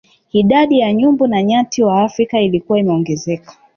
Idadi ya nyumbu na nyati wa Afrika ilikuwa imeongezeka